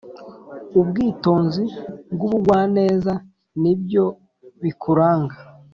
ubwitonzi n` ubugwaneza ni byo bikuranga.